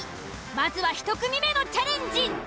まずは１組目のチャレンジ。